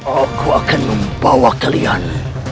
aku akan membawa kalian